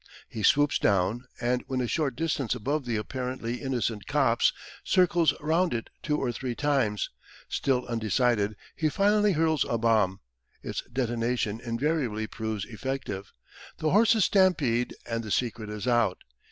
He swoops down, and when a short distance above the apparently innocent copse, circles round it two or three times. Still undecided, he finally hurls a bomb. Its detonation invariably proves effective. The horses stampede and the secret is out.